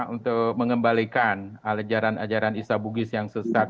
untuk mengembalikan ajaran ajaran isa bugis yang sesat